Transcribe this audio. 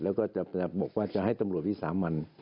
แล้วก็จะบอกว่าจะให้ตำรวจวิสามัน